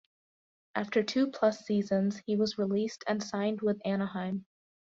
After two-plus seasons, he was released and signed with Anaheim.